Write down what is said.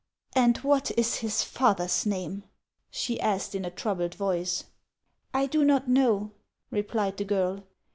" And what is his father's name ?" she asked in a troubled voice. " I do not know," replied the girl.